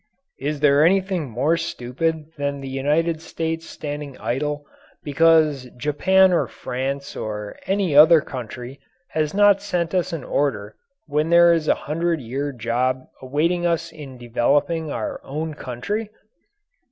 Is there anything more stupid than the United States standing idle because Japan or France or any other country has not sent us an order when there is a hundred year job awaiting us in developing our own country?